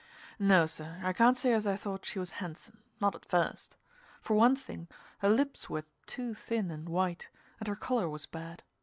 No, sir, I can't say as I thought she was handsome not at first. For one thing, her lips were too thin and white, and her color was bad.